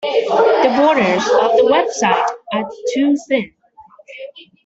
The borders of the website are too thin.